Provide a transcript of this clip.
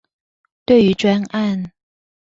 對於專案